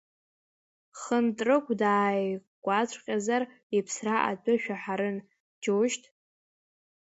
Хынтрыгә дааигәаҵәҟьазар, иԥсра атәы шәаҳарын, џьушьҭ.